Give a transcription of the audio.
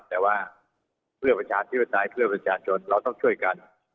แต่ว่าเพื่อประชาธิปไตยเพื่อประชาชนเราต้องช่วยกัน